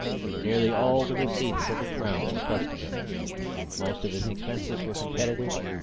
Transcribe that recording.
Nearly all the receipts of the Crown were customary. Most of its expenses were competitive.